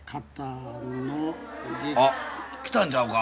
・あ来たんちゃうか。